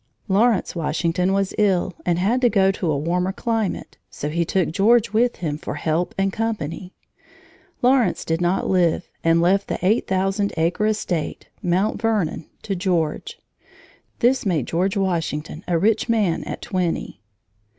Lawrence Washington was ill and had to go to a warmer climate, so he took George with him for help and company. Lawrence did not live and left the eight thousand acre estate, Mount Vernon, to George. This made George Washington a rich man at twenty.